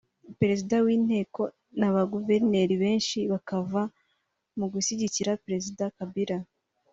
Perezida w’inteko na ba Guverineri benshi bakava mu bashyigikiye Perezida Kabila